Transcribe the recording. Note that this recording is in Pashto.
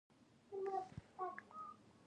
وفاداري د پښتون اصلي صفت دی.